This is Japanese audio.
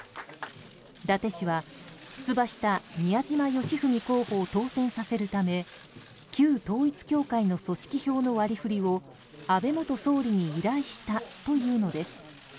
伊達氏は出馬した宮島喜文候補を当選させるため旧統一教会の組織票の割り振りを安倍元総理に依頼したというのです。